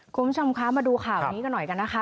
คุณผู้ชมคะมาดูข่าวนี้กันหน่อยกันนะคะ